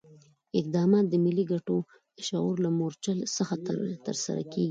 اقدامات د ملي ګټو د شعور له مورچل څخه ترسره کېږي.